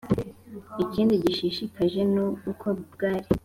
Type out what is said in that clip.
Ikindi gishishikaje ni uko bwari